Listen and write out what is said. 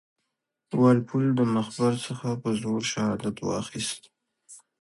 وال پول د مخبر څخه په زور شهادت واخیست.